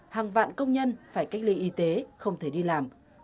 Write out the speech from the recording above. hàng vạn công nhân phải cách ly y tế không thể đi làm